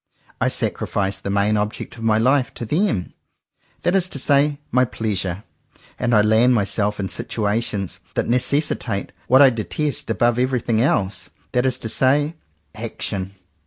I sacrifice the main object of my Hfe to them, that is to say my Pleasure; and I land myself in situations that necessitate what I detest above every thing else, that is to say action.